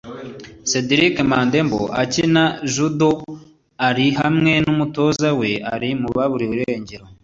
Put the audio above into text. Cedric Mandembo ukina judo ari hamwe n’umutoza we ari mu baburiwe irengero